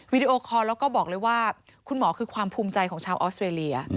ดีโอคอลแล้วก็บอกเลยว่าคุณหมอคือความภูมิใจของชาวออสเตรเลีย